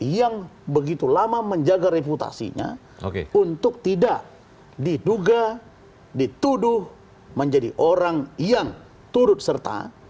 yang begitu lama menjaga reputasinya untuk tidak diduga dituduh menjadi orang yang turut serta